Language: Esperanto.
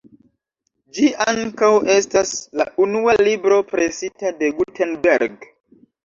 Ĝi ankaŭ estas la unua libro presita de Gutenberg.